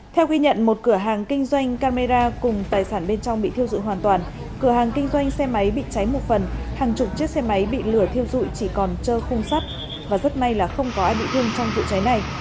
theo ghi nhận một cửa hàng kinh doanh camera cùng tài sản bên trong bị thiêu dụi hoàn toàn cửa hàng kinh doanh xe máy bị cháy một phần hàng chục chiếc xe máy bị lửa thiêu dụi chỉ còn trơ khung sắt và rất may là không có ai bị thương trong vụ cháy này